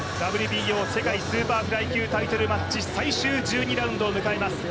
ＷＢＯ世界スーパーフライ級タイトルマッチ最終１２ラウンドを迎えます。